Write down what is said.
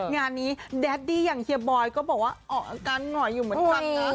งานนี้แดดดี้อย่างเฮียบอยก็บอกว่าออกอาการหน่อยอยู่เหมือนกันนะ